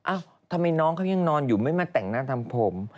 ทำไมน้องเขายังนอนอยู่ไม่มาแต่งหน้าทำผม